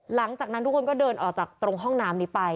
หลังจากนั้นทุกคนก็เดินออกจากตรงห้องน้ำนี้ไป